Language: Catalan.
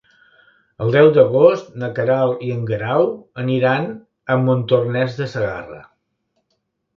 El deu d'agost na Queralt i en Guerau aniran a Montornès de Segarra.